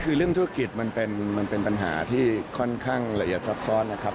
คือเรื่องธุรกิจมันเป็นปัญหาที่ค่อนข้างละเอียดซับซ้อนนะครับ